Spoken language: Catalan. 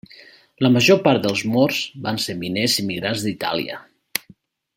La major part dels morts van ser miners emigrats d'Itàlia.